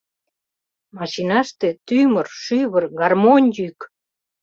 Машинаште тӱмыр, шӱвыр, гармонь йӱк.